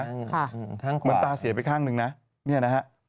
บัญชาการทางขวามันตาเสียไปข้างหนึ่งนะนี่นะฮะ